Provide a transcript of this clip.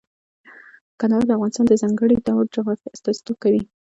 کندهار د افغانستان د ځانګړي ډول جغرافیه استازیتوب کوي.